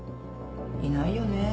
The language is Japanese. いないよねぇ。